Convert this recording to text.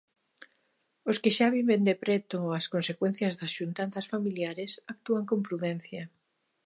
Os que xa viven de preto as consecuencias das xuntanzas familiares actúan con prudencia.